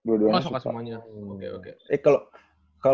oh suka semuanya oke oke